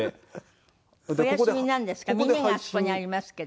お休みなんですか？